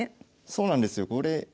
そうなんですよ。